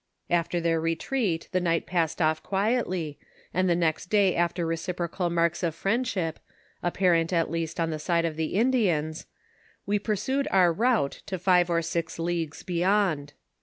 aoi their retreat the night passed off qnietlj, and the next day after reciprocal marks of friendship, apparent at least on the side of the Indians, we pursued onr route to five or six leagues beyond.